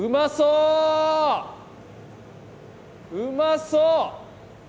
うまそう！